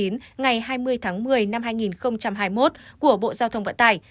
ngày hai mươi tháng một mươi năm hai nghìn hai mươi một của bộ giao thông vận tải